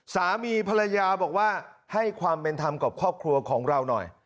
สามีภรรยาบอกว่าให้ความเป็นธรรมกับครอบครัวของเราหน่อย